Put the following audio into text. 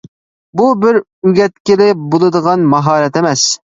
بۇ بىر ئۆگەتكىلى بولىدىغان ماھارەت ئەمەس.